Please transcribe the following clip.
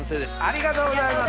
ありがとうございます。